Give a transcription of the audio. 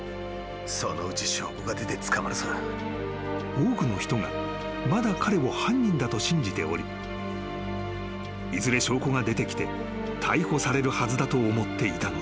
［多くの人がまだ彼を犯人だと信じておりいずれ証拠が出てきて逮捕されるはずだと思っていたのだ］